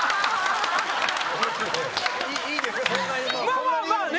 まあまあまあね。